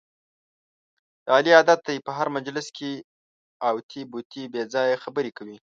د علي عادت دی، په هر مجلس کې اوتې بوتې بې ځایه خبرې کوي.